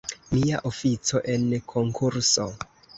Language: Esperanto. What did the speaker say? Mia ofico en konkurso!